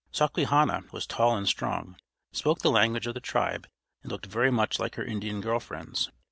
Sawquehanna was tall and strong, spoke the language of the tribe, and looked very much like her Indian girl friends.